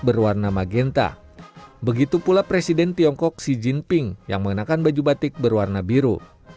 berwarna magenta begitu pula presiden tiongkok xi jinping yang mengenakan baju batik berwarna biru